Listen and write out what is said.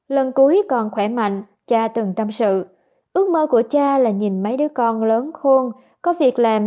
lần cuối còn khỏe mạnh cha từng tâm sự ước mơ của cha là nhìn mấy đứa con lớn khôn có việc làm